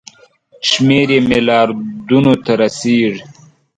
شمېر یې ملیاردونو ته رسیږي.